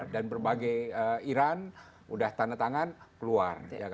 dan berbagai iran udah tanda tangan keluar